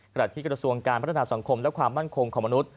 กระทรวงการพัฒนาสังคมและความมั่นคงของมนุษย